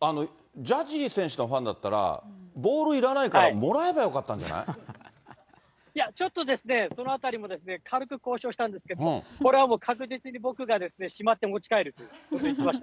でも、ジャッジ選手のファンだったら、ボールいらないから、ちょっとですね、そのあたりも軽く交渉したんですけれども、これはもう、確実に僕がしまって持ち帰ると言ってました。